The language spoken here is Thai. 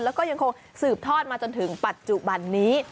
แล้วก็ยังคงสืบทอดมาจนถึงปัจจุบันนี้